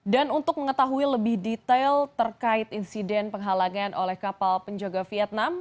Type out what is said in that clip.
dan untuk mengetahui lebih detail terkait insiden penghalangan oleh kapal penjaga vietnam